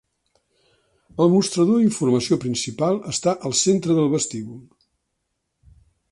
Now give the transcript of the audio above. El mostrador d'informació principal està al centre del vestíbul.